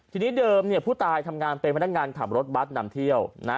ทีนี้เดิมเนี่ยผู้ตายทำงานเป็นพนักงานขับรถบัตรนำเที่ยวนะ